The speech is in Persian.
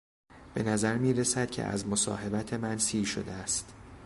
به نظر میرسد که از مصاحبت من سیر شده است.